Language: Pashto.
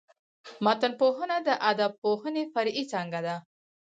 متنپوهنه د ادبپوهني فرعي څانګه ده.